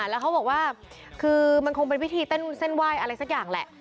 แล้วเขาบอกว่าคือมันคงเป็นวิธีเต้นเส้นไหว้อะไรสักอย่างแหละ